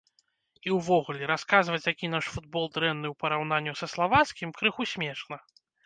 І ўвогуле, расказваць, які наш футбол дрэнны ў параўнанні са славацкім, крыху смешна.